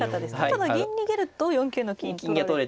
ただ銀逃げると４九の金取られて。